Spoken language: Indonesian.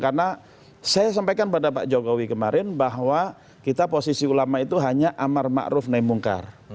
karena saya sampaikan pada pak jokowi kemarin bahwa kita posisi ulama itu hanya amar ma'ruf naim mungkar